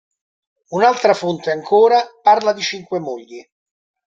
Un'altra fonte ancora parla di cinque mogli.